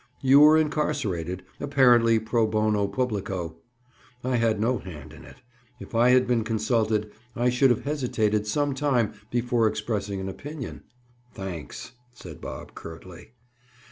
"You were incarcerated, apparently, pro bono publico. I had no hand in it. If I had been consulted, I should have hesitated some time before expressing an opinion." "Thanks," said Bob curtly.